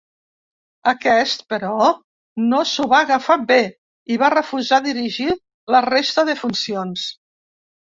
Aquest, però, no s'ho va agafar bé i va refusar dirigir la resta de funcions.